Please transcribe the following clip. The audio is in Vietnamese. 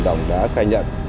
động đã khai nhận